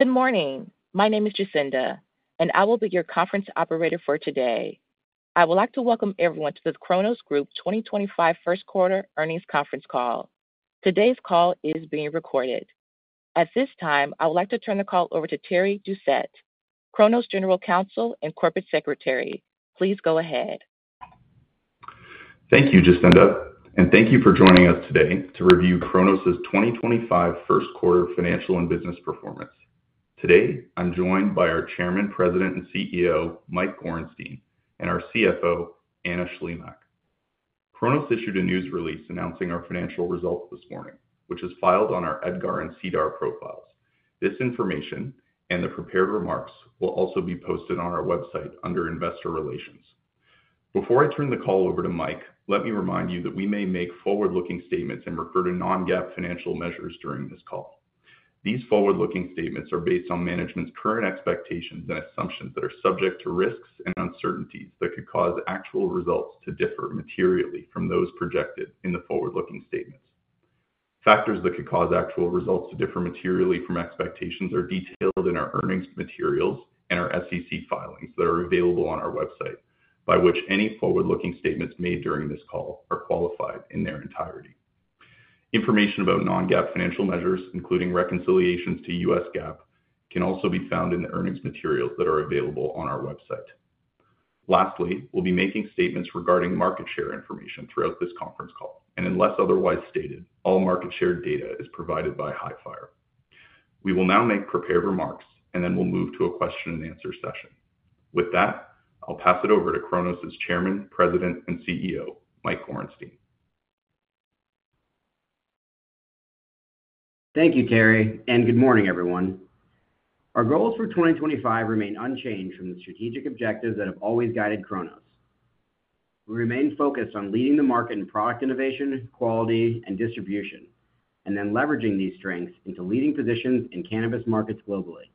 Good morning. My name is Jacinda, and I will be your conference operator for today. I would like to welcome everyone to the Cronos Group 2025 first quarter earnings conference call. Today's call is being recorded. At this time, I would like to turn the call over to Terry Doucet, Cronos General Counsel and Corporate Secretary. Please go ahead. Thank you, Jacinda, and thank you for joining us today to review Cronos's 2025 first quarter financial and business performance. Today, I'm joined by our Chairman, President, and CEO, Mike Gorenstein, and our CFO, Anna Shlimak. Cronos issued a news release announcing our financial results this morning, which is filed on our EDGAR and CDAR profiles. This information and the prepared remarks will also be posted on our website under Investor Relations. Before I turn the call over to Mike, let me remind you that we may make forward-looking statements and refer to non-GAAP financial measures during this call. These forward-looking statements are based on management's current expectations and assumptions that are subject to risks and uncertainties that could cause actual results to differ materially from those projected in the forward-looking statements. Factors that could cause actual results to differ materially from expectations are detailed in our earnings materials and our SEC filings that are available on our website, by which any forward-looking statements made during this call are qualified in their entirety. Information about non-GAAP financial measures, including reconciliations to U.S. GAAP, can also be found in the earnings materials that are available on our website. Lastly, we'll be making statements regarding market share information throughout this conference call, and unless otherwise stated, all market share data is provided by Highfire. We will now make prepared remarks, and then we'll move to a question-and-answer session. With that, I'll pass it over to Cronos's Chairman, President, and CEO, Mike Gorenstein. Thank you, Terry, and good morning, everyone. Our goals for 2025 remain unchanged from the strategic objectives that have always guided Cronos. We remain focused on leading the market in product innovation, quality, and distribution, and then leveraging these strengths into leading positions in cannabis markets globally.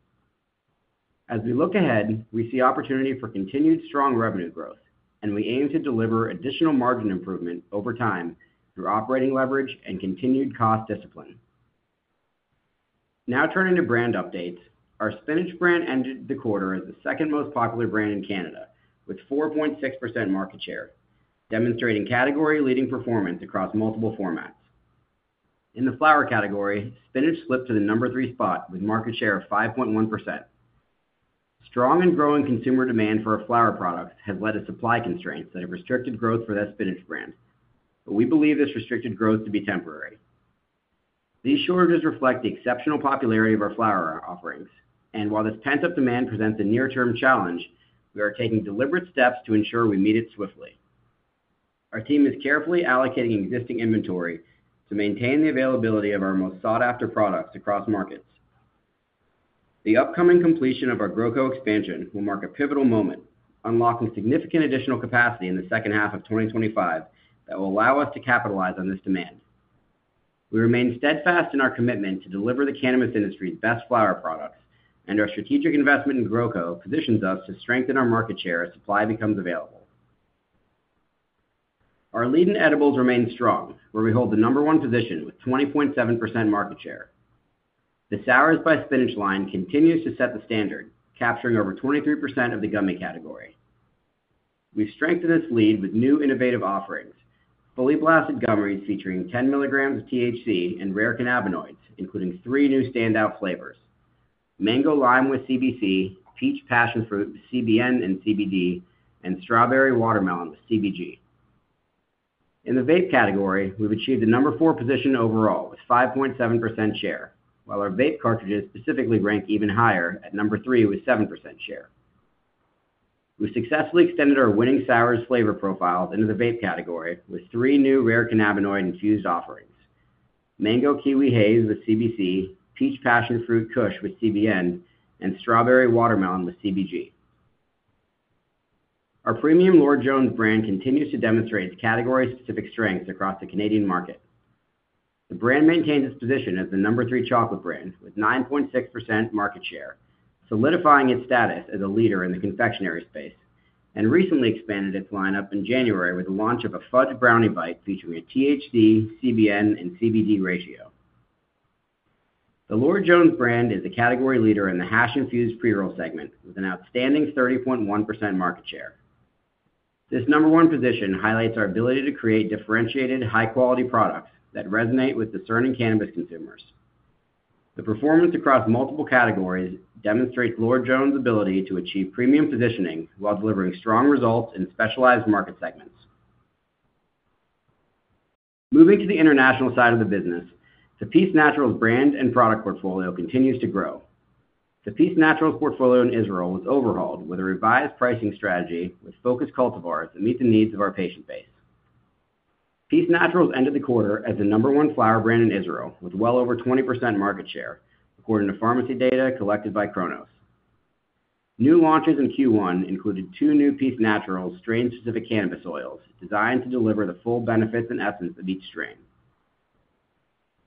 As we look ahead, we see opportunity for continued strong revenue growth, and we aim to deliver additional margin improvement over time through operating leverage and continued cost discipline. Now turning to brand updates, our Spinach brand ended the quarter as the second most popular brand in Canada, with 4.6% market share, demonstrating category-leading performance across multiple formats. In the flower category, Spinach slipped to the number three spot with a market share of 5.1%. Strong and growing consumer demand for our flower products has led to supply constraints that have restricted growth for that Spinach brand, but we believe this restricted growth to be temporary. These shortages reflect the exceptional popularity of our flower offerings, and while this pent-up demand presents a near-term challenge, we are taking deliberate steps to ensure we meet it swiftly. Our team is carefully allocating existing inventory to maintain the availability of our most sought-after products across markets. The upcoming completion of our GrowCo expansion will mark a pivotal moment, unlocking significant additional capacity in the second half of 2025 that will allow us to capitalize on this demand. We remain steadfast in our commitment to deliver the cannabis industry's best flower products, and our strategic investment in GrowCo positions us to strengthen our market share as supply becomes available. Our lead in edibles remains strong, where we hold the number one position with 20.7% market share. The Sours by Spinach line continues to set the standard, capturing over 23% of the gummy category. We've strengthened this lead with new innovative offerings: Fully Blasted Gummies featuring 10 mg of THC and rare cannabinoids, including three new standout flavors: Mango Lime with CBC, Peach Passion Fruit with CBN and CBD, and Strawberry Watermelon with CBG. In the vape category, we've achieved the number four position overall with 5.7% share, while our vape cartridges specifically rank even higher at number three with 7% share. We've successfully extended our winning Sours flavor profiles into the vape category with three new rare cannabinoid-infused offerings: Mango Kiwi Haze with CBC, Peach Passion Fruit Kush with CBN, and Strawberry Watermelon with CBG. Our premium Lord Jones brand continues to demonstrate its category-specific strengths across the Canadian market. The brand maintains its position as the number three chocolate brand with 9.6% market share, solidifying its status as a leader in the confectionery space, and recently expanded its lineup in January with the launch of a Fudge Brownie Bite featuring a THC, CBN, and CBD ratio. The Lord Jones brand is a category leader in the Hash-Infused Pre-Roll segment with an outstanding 30.1% market share. This number one position highlights our ability to create differentiated, high-quality products that resonate with discerning cannabis consumers. The performance across multiple categories demonstrates Lord Jones' ability to achieve premium positioning while delivering strong results in specialized market segments. Moving to the international side of the business, the Peace Naturals brand and product portfolio continues to grow. The Peace Naturals portfolio in Israel was overhauled with a revised pricing strategy with focused cultivars that meet the needs of our patient base. Peace Naturals ended the quarter as the number one flower brand in Israel with well over 20% market share, according to pharmacy data collected by Cronos. New launches in Q1 included two new Peace Naturals strain-specific cannabis oils designed to deliver the full benefits and essence of each strain.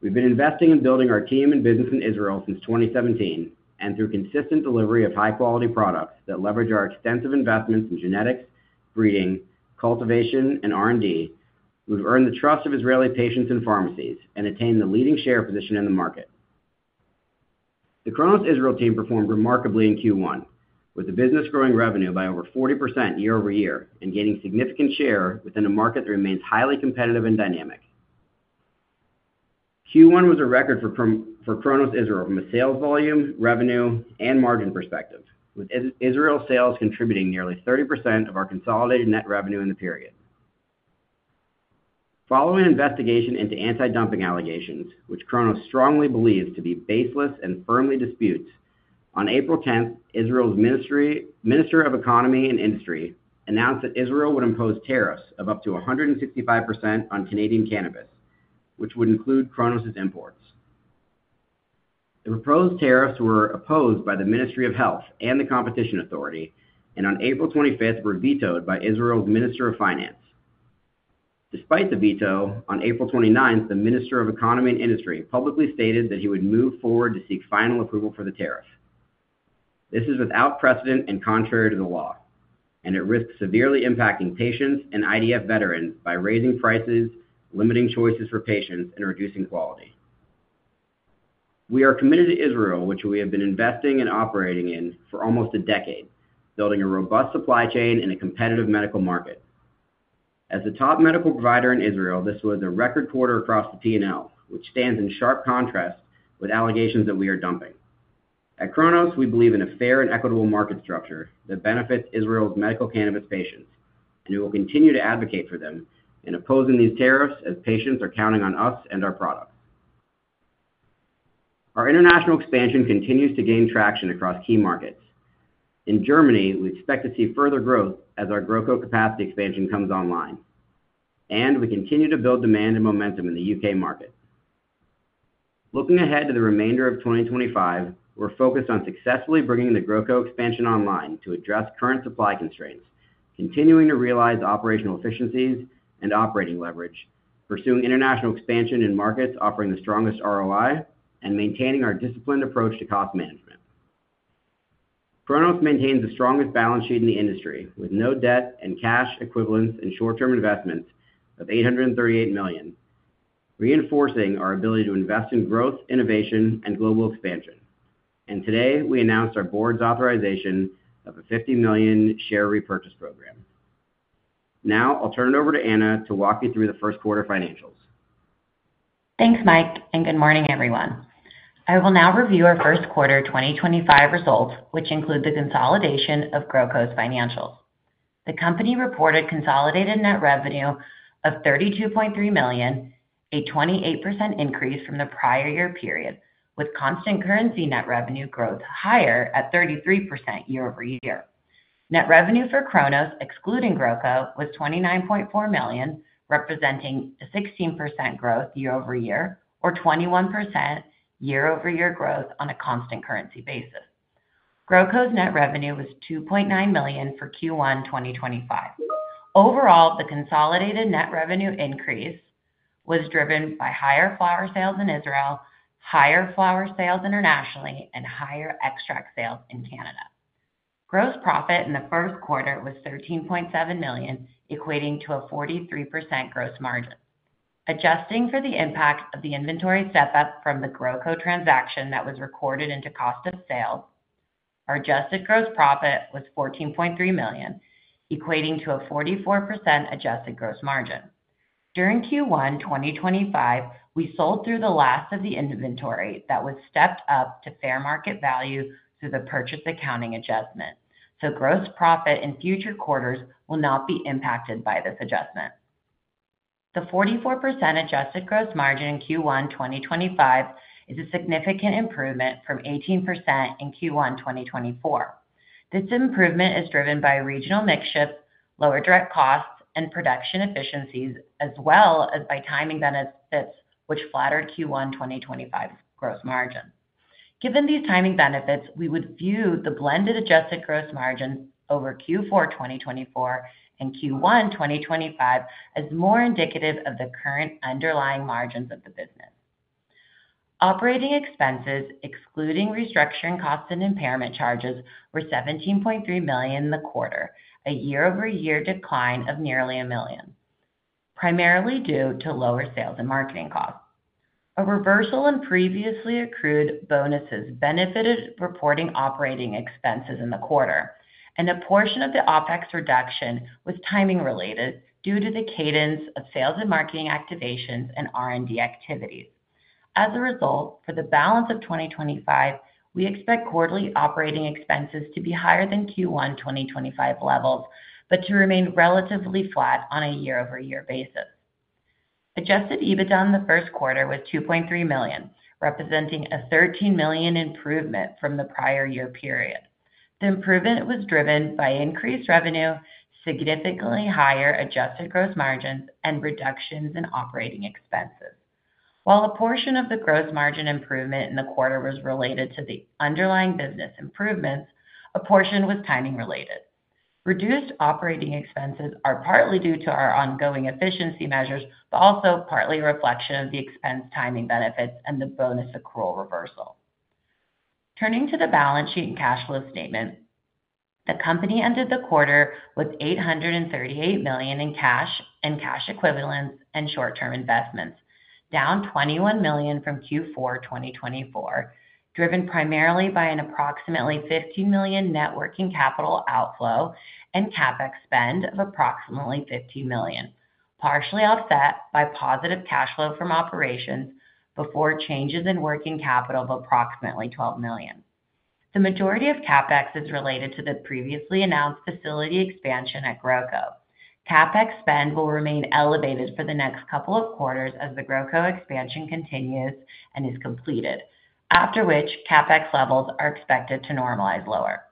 We've been investing and building our team and business in Israel since 2017, and through consistent delivery of high-quality products that leverage our extensive investments in genetics, breeding, cultivation, and R&D, we've earned the trust of Israeli patients and pharmacies and attained the leading share position in the market. The Cronos Israel team performed remarkably in Q1, with the business growing revenue by over 40% year-over-year and gaining significant share within a market that remains highly competitive and dynamic. Q1 was a record for Cronos Israel from a sales volume, revenue, and margin perspective, with Israel sales contributing nearly 30% of our consolidated net revenue in the period. Following investigation into anti-dumping allegations, which Cronos strongly believes to be baseless and firmly disputes, on April 10th, Israel's Minister of Economy and Industry announced that Israel would impose tariffs of up to 165% on Canadian cannabis, which would include Cronos's imports. The proposed tariffs were opposed by the Ministry of Health and the Competition Authority, and on April 25th were vetoed by Israel's Minister of Finance. Despite the veto, on April 29th, the Minister of Economy and Industry publicly stated that he would move forward to seek final approval for the tariff. This is without precedent and contrary to the law, and it risks severely impacting patients and IDF veterans by raising prices, limiting choices for patients, and reducing quality. We are committed to Israel, which we have been investing and operating in for almost a decade, building a robust supply chain and a competitive medical market. As the top medical provider in Israel, this was a record quarter across the P&L, which stands in sharp contrast with allegations that we are dumping. At Cronos, we believe in a fair and equitable market structure that benefits Israel's medical cannabis patients, and we will continue to advocate for them in opposing these tariffs as patients are counting on us and our products. Our international expansion continues to gain traction across key markets. In Germany, we expect to see further growth as our GrowCo capacity expansion comes online, and we continue to build demand and momentum in the U.K. market. Looking ahead to the remainder of 2025, we're focused on successfully bringing the GrowCo expansion online to address current supply constraints, continuing to realize operational efficiencies and operating leverage, pursuing international expansion in markets offering the strongest ROI, and maintaining our disciplined approach to cost management. Cronos maintains the strongest balance sheet in the industry with no debt and cash equivalents and short-term investments of $838 million, reinforcing our ability to invest in growth, innovation, and global expansion. Today, we announced our board's authorization of a $50 million share repurchase program. Now, I'll turn it over to Anna to walk you through the first quarter financials. Thanks, Mike, and good morning, everyone. I will now review our first quarter 2025 results, which include the consolidation of GrowCo's financials. The company reported consolidated net revenue of $32.3 million, a 28% increase from the prior year period, with constant currency net revenue growth higher at 33% year-over-year. Net revenue for Cronos, excluding GrowCo, was $29.4 million, representing a 16% growth year-over-year, or 21% year-over-year growth on a constant currency basis. GrowCo's net revenue was $2.9 million for Q1 2025. Overall, the consolidated net revenue increase was driven by higher flower sales in Israel, higher flower sales internationally, and higher extract sales in Canada. Gross profit in the first quarter was $13.7 million, equating to a 43% gross margin. Adjusting for the impact of the inventory step-up from the Groco transaction that was recorded into cost of sales, our adjusted gross profit was $14.3 million, equating to a 44% adjusted gross margin. During Q1 2025, we sold through the last of the inventory that was stepped up to fair market value through the purchase accounting adjustment, so gross profit in future quarters will not be impacted by this adjustment. The 44% adjusted gross margin in Q1 2025 is a significant improvement from 18% in Q1 2024. This improvement is driven by regional mix shifts, lower direct costs, and production efficiencies, as well as by timing benefits, which flattered Q1 2025's gross margin. Given these timing benefits, we would view the blended adjusted gross margin over Q4 2024 and Q1 2025 as more indicative of the current underlying margins of the business. Operating expenses, excluding restructuring costs and impairment charges, were $17.3 million in the quarter, a year-over-year decline of nearly $1 million, primarily due to lower sales and marketing costs. A reversal in previously accrued bonuses benefited reporting operating expenses in the quarter, and a portion of the OpEx reduction was timing-related due to the cadence of sales and marketing activations and R&D activities. As a result, for the balance of 2025, we expect quarterly operating expenses to be higher than Q1 2025 levels, but to remain relatively flat on a year-over-year basis. Adjusted EBITDA in the first quarter was $2.3 million, representing a $13 million improvement from the prior year period. The improvement was driven by increased revenue, significantly higher adjusted gross margins, and reductions in operating expenses. While a portion of the gross margin improvement in the quarter was related to the underlying business improvements, a portion was timing-related. Reduced operating expenses are partly due to our ongoing efficiency measures, but also partly a reflection of the expense timing benefits and the bonus accrual reversal. Turning to the balance sheet and cash flow statement, the company ended the quarter with $838 million in cash and cash equivalents and short-term investments, down $21 million from Q4 2024, driven primarily by an approximately $15 million net working capital outflow and CapEx spend of approximately $15 million, partially offset by positive cash flow from operations before changes in working capital of approximately $12 million. The majority of CapEx is related to the previously announced facility expansion at GrowCo. CapEx spend will remain elevated for the next couple of quarters as the GrowCo expansion continues and is completed, after which CapEx levels are expected to normalize lower.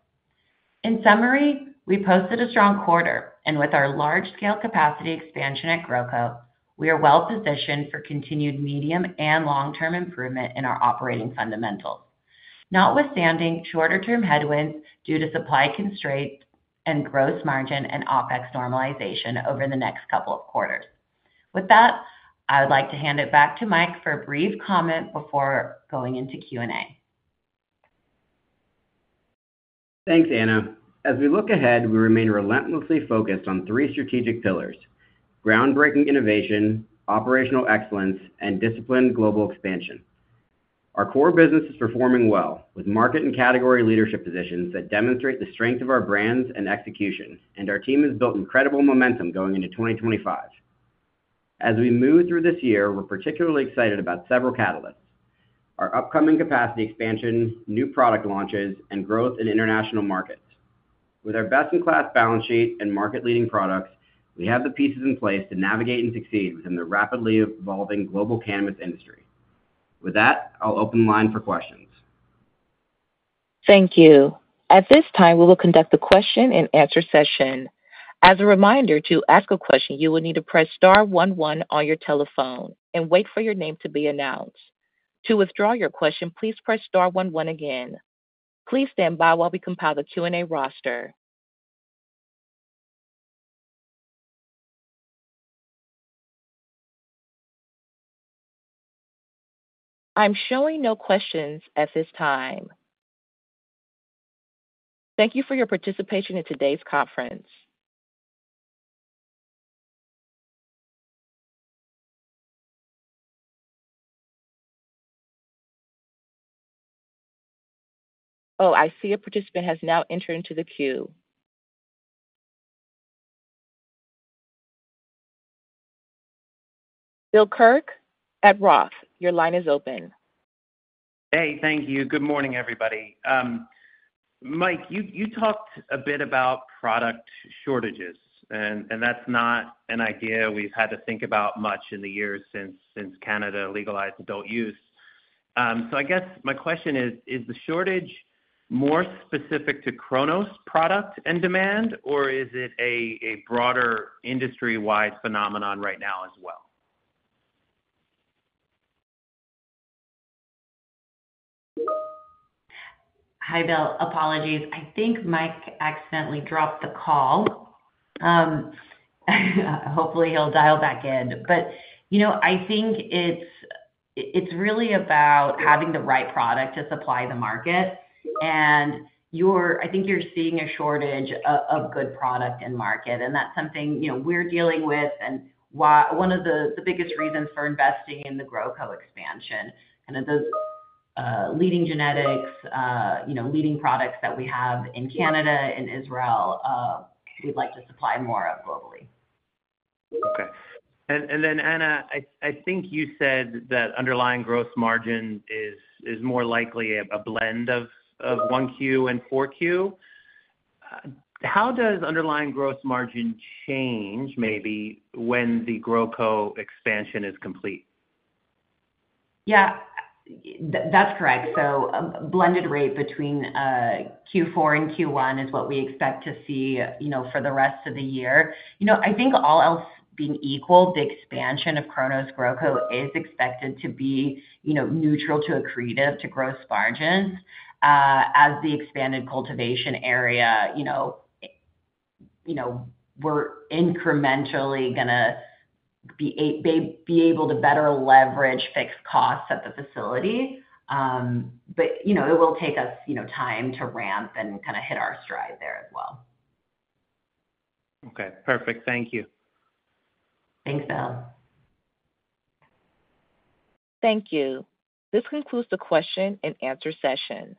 In summary, we posted a strong quarter, and with our large-scale capacity expansion at GrowCo, we are well-positioned for continued medium and long-term improvement in our operating fundamentals, notwithstanding shorter-term headwinds due to supply constraints and gross margin and OpEx normalization over the next couple of quarters. With that, I would like to hand it back to Mike for a brief comment before going into Q&A. Thanks, Anna. As we look ahead, we remain relentlessly focused on three strategic pillars: groundbreaking innovation, operational excellence, and disciplined global expansion. Our core business is performing well, with market and category leadership positions that demonstrate the strength of our brands and execution, and our team has built incredible momentum going into 2025. As we move through this year, we're particularly excited about several catalysts: our upcoming capacity expansion, new product launches, and growth in international markets. With our best-in-class balance sheet and market-leading products, we have the pieces in place to navigate and succeed within the rapidly evolving global cannabis industry. With that, I'll open the line for questions. Thank you. At this time, we will conduct the question-and-answer session. As a reminder, to ask a question, you will need to press star one one on your telephone and wait for your name to be announced. To withdraw your question, please press star one one again. Please stand by while we compile the Q&A roster. I'm showing no questions at this time. Thank you for your participation in today's conference. Oh, I see a participant has now entered into the queue. Bill Kirk at ROTH, your line is open. Hey, thank you. Good morning, everybody. Mike, you talked a bit about product shortages, and that's not an idea we've had to think about much in the years since Canada legalized adult use. I guess my question is, is the shortage more specific to Cronos product and demand, or is it a broader industry-wide phenomenon right now as well? Hi, Bill. Apologies. I think Mike accidentally dropped the call. Hopefully, he'll dial back in. I think it's really about having the right product to supply the market. I think you're seeing a shortage of good product in market, and that's something we're dealing with. One of the biggest reasons for investing in the GrowCo expansion is kind of those leading genetics, leading products that we have in Canada and Israel, we'd like to supply more of globally. Okay. Anna, I think you said that underlying gross margin is more likely a blend of 1Q and 4Q. How does underlying gross margin change, maybe, when the GrowCo expansion is complete? Yeah, that's correct. A blended rate between Q4 and Q1 is what we expect to see for the rest of the year. I think all else being equal, the expansion of Cronos GrowCo is expected to be neutral to accretive to gross margins as the expanded cultivation area. We're incrementally going to be able to better leverage fixed costs at the facility, but it will take us time to ramp and kind of hit our stride there as well. Okay. Perfect. Thank you. Thanks, Bill. Thank you. This concludes the question-and-answer session.